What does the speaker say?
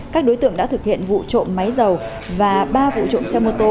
các đối tượng đã thực hiện vụ trộm máy dầu và ba vụ trộm xe mô tô